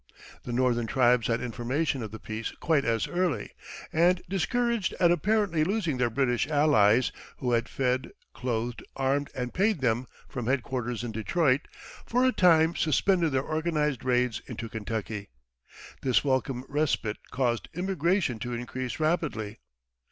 The northern tribes had information of the peace quite as early; and discouraged at apparently losing their British allies, who had fed, clothed, armed, and paid them from headquarters in Detroit, for a time suspended their organized raids into Kentucky. This welcome respite caused immigration to increase rapidly.